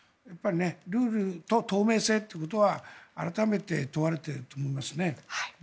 ルールと透明性ということは改めて問われていると思います。